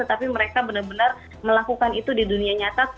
tapi mereka benar benar melakukan itu di dunia nyata